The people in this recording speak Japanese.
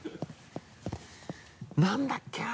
何だっけな？